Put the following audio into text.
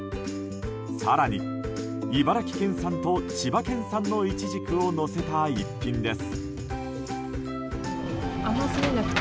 更に、茨城県産と千葉県産のイチジクをのせた逸品です。